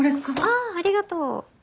あっありがとう。